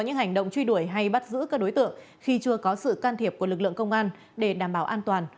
những hành động truy đuổi hay bắt giữ các đối tượng khi chưa có sự can thiệp của lực lượng công an để đảm bảo an toàn